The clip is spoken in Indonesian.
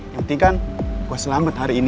yang penting kan gue selamat hari ini